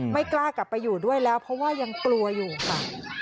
ไม่กล้ากลับไปอยู่ด้วยแล้วเพราะว่ายังกลัวอยู่ค่ะ